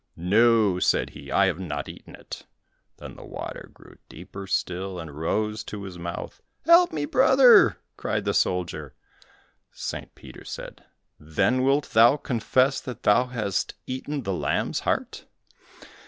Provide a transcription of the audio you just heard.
"No," said he, "I have not eaten it." Then the water grew deeper still and rose to his mouth. "Help me, brother," cried the soldier. St. Peter said, "Then wilt thou confess that thou hast eaten the lamb's heart?"